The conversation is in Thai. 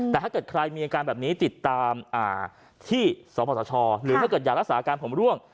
แต่ถ้าเกิดใครมีอาการแบบนี้ติดตามที่สพสชหรือถ้าเกิดอยากรักษาการผมร่วง